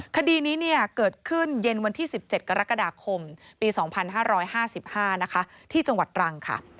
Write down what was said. คดีนี้เกิดขึ้นเย็นวันที่๑๗กรกฎาคมปี๒๕๕๕นะคะที่จังหวัดตรังค่ะ